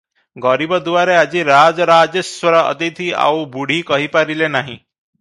ଗରିବ ଦୁଆରେ ଆଜି ରାଜରାଜେଶ୍ୱର ଅତିଥି- ଆଉ ବୁଢ଼ୀ କହିପାରିଲେ ନାହିଁ ।